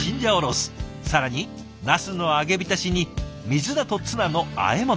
更にナスの揚げびたしに水菜とツナの和え物。